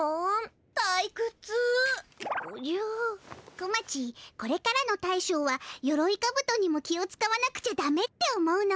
小町これからの大将はヨロイカブトにも気をつかわなくちゃダメって思うの。